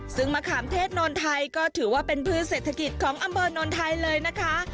ซึ่งมะขามเทศนนไทยก็ถือว่าเป็นพืชเศรษฐกิจของอำเภอนนไทยเลยนะคะ